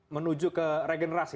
menuju ke regenerasi